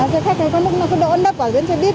xe khách này có lúc nó có độ ấn đập ở bên xe buýt này nè